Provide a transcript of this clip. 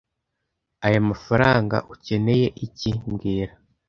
Aya mafranga ukeneye iki mbwira